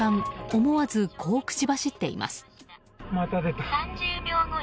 思わず、こう口走っています。